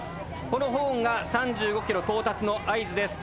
このホーンが３５ｋｍ到達の合図です。